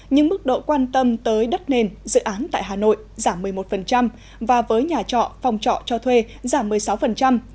nhưng mức độ quan tâm tới đất nền dự án tại hà nội giảm một mươi một và với nhà trọ phòng trọ cho thuê giảm một mươi sáu